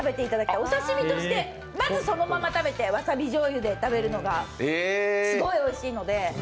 お刺身として、まずそのまま食べてわさびじょうゆで食べるのがすごいおいしいので。